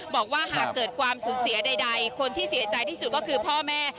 บอกว่าหากเกิดความสูญเสียใดคนที่เสียใจที่สุดก็คือพ่อแม่